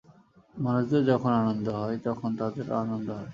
মানুষদের যখন আনন্দ হয়, তখন তাদেরও আনন্দ হয়।